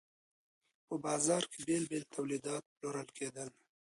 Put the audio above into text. په بازار کي بیلابیل تولیدات پلورل کیدل.